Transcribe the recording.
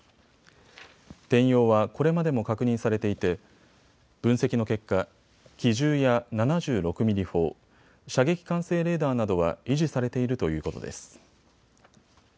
転用はこれまでも確認されていて分析の結果、機銃や７６ミリ砲、射撃管制レーダーなどは維持されているということです。